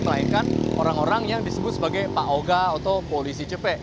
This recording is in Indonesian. melainkan orang orang yang disebut sebagai pak oga atau polisi cepek